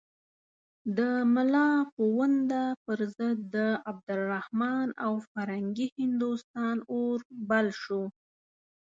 د ملا پوونده پر ضد د عبدالرحمن او فرنګي هندوستان اور بل شو.